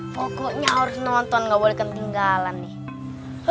pokoknya harus nonton nggak boleh ketinggalan nih